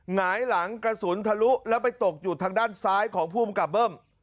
หงายหลังกระสุนทะลุแล้วไปตกอยู่ทางด้านซ้ายของภูมิกับเบิ้ม